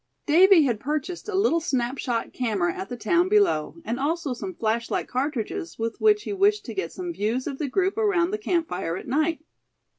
Davy had purchased a little snapshot camera at the town below, and also some flashlight cartridges with which he wished to get some views of the group around the camp fire at night.